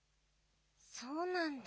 そうなんだ。